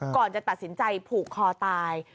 ก่อนจะตัดสินใจผูกคอตาย